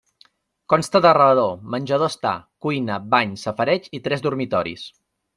Consta de rebedor, menjador-estar, cuina, bany, safareig i tres dormitoris.